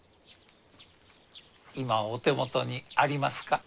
今お手元にありますか？